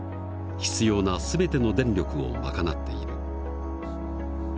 必要な全ての電力を賄っている。